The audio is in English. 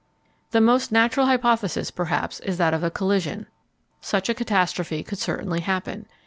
The most natural hypothesis, perhaps, is that of a collision. Such a catastrophe could certainly happen.